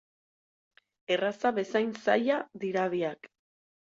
Erraza bezain zaila dira biak.